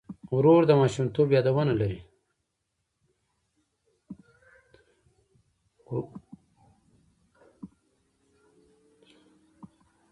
ورور د ماشومتوب یادونه لري.